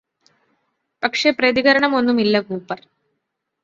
പക്ഷേ പ്രതികരണമൊന്നുമില്ല കൂപ്പര്